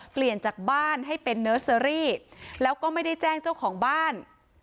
เปลี่ยนจากบ้านให้เป็นเนอร์เซอรี่แล้วก็ไม่ได้แจ้งเจ้าของบ้าน